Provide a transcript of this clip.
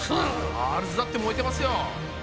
ガールズだって燃えてますよ！